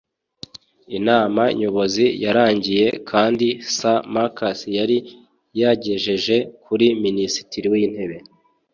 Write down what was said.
Inama nyobozi yarangiye kandi Sir Marcus yari yagejeje kuri minisitiri w'intebe